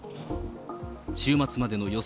週末までの予想